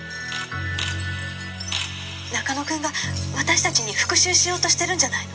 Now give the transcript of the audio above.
「中野くんが私たちに復讐しようとしてるんじゃないの？」